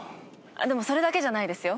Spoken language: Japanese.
でもそれだけじゃないですよ。